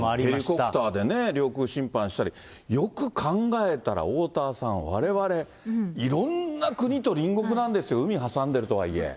ヘリコプターでね、領空侵犯したり、よく考えたら、おおたわさん、われわれ、いろんな国と隣国なんですよ、そうなんです。